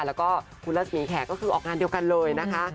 แล้วก็คุณรัศมีแขกก็คือออกงานเดียวกันเลยนะคะ